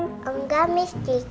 sakit gak nanti disuntiknya dong